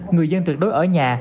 người dân tuyệt đối ở nhà